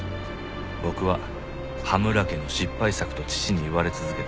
僕は羽村家の失敗作と父に言われ続けた。